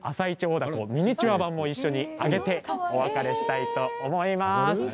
だこをミニチュア版も一緒に揚げてお別れしたいと思います。